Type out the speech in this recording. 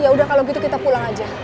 ya udah kalau gitu kita pulang aja